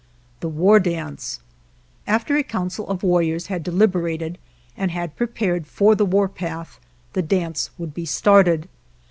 The War Dance After a council of the warriors had de liberated, and had prepared for the warpath, the dance would be started.